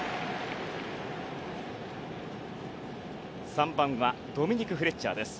３番はドミニク・フレッチャーです。